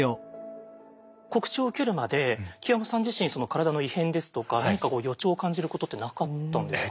告知を受けるまで木山さん自身体の異変ですとか何かこう予兆を感じることってなかったんですか？